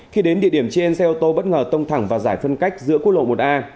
khi đến địa điểm trên xe ô tô bất ngờ tông thẳng vào giải phân cách giữa quốc lộ một a